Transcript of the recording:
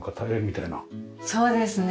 そうですね。